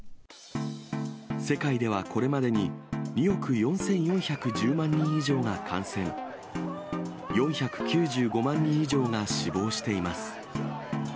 世界ではこれまでに２億４４１０万人以上が感染、４９５万人以上が死亡しています。